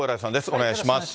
お願いします。